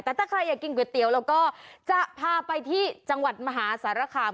แต่ถ้าใครอยากกินก๋วยเตี๋ยวเราก็จะพาไปที่จังหวัดมหาสารคาม